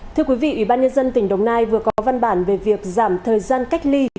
thưa quý vị ủy ban nhân dân tỉnh đồng nai vừa có văn bản về việc giảm thời gian cách ly